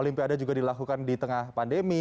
olimpiade juga dilakukan di tengah pandemi